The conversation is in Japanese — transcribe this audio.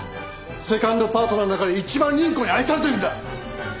セカンドパートナーの中で一番倫子に愛されてるんだ！